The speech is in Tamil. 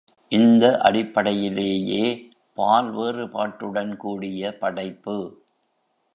இந்த அடிப்படையிலேயே பால் வேறுபாட்டுடன் கூடிய படைப்பு.